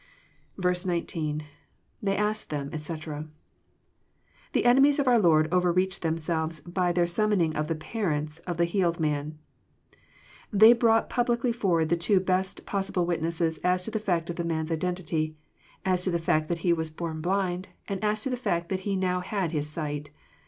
19. — IThey asked them, etc,"] The enemies of our Lord over reached themselves by their summoning the parents of the healed man. They brought publicly forward the two best pos sible witnesses as to the fact of the man's identity, as to the fact that he was born blind, and as to the fact that he now had his sight.